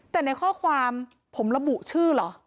แต่ในข้อความผมระบุชื่อเหรอ